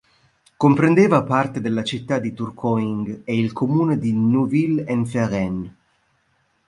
Comprendeva parte della città di Tourcoing e il comune di Neuville-en-Ferrain.